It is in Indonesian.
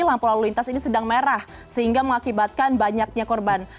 lampu lalu lintas ini sedang merah sehingga mengakibatkan banyaknya korban